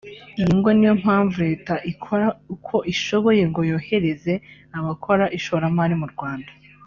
Iyi ngo niyo mpamvu leta ikora uko ishoboye ngo yorohereze abakora ishoramari mu Rwanda